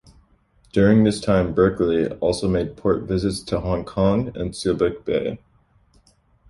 During this time, "Berkeley" also made port visits to Hong Kong and Subic Bay.